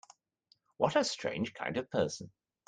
What a strange kind of person!